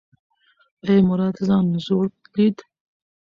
ایا مراد ځان زوړ لید؟